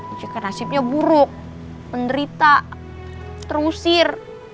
ije kan nasibnya buruk menderita terusir